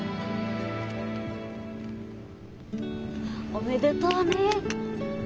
おめでとうねえ。